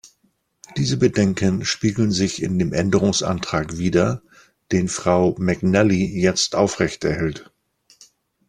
Diese Bedenken spiegeln sich in dem Änderungsantrag wider, den Frau McNally jetzt aufrechterhält.